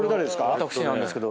私なんですけど。